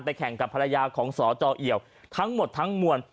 แข่งกับภรรยาของสจเอี่ยวทั้งหมดทั้งมวล